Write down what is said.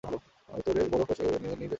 আরও উত্তরে বরফ ও মেঘে সেগুলি নীল দেখাইতেছিল।